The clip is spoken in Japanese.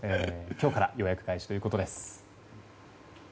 今日から予約開始ということです。